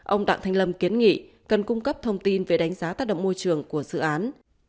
ông đặng thanh lâm kiến nghị cần cung cấp thông tin về đánh giá tác động môi trường của dự án